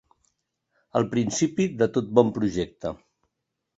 El principi de tot bon projecte.